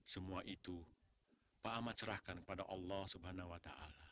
semua itu pak ahmad serahkan kepada allah swt